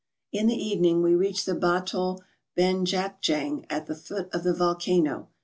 In the evening we reached the Batol Bedjand jang at the foot of the volcano.